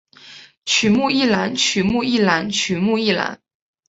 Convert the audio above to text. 曲目一览曲目一览曲目一览